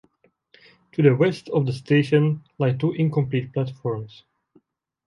To the west of the station, lie two incomplete platforms.